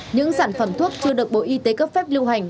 những sản phẩm thuốc chưa được bộ y tế cấp phép lưu hành